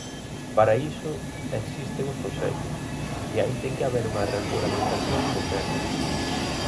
Para iso, existen os concellos, e aí ten que haber unha regulamentación homoxénea.